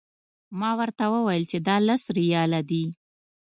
ما ورته وویل چې دا لس ریاله دي.